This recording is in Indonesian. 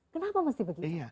kenapa masih begitu